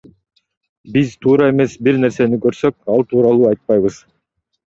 Биз туура эмес бир нерсени көрсөк, ал тууралуу айтпайбыз.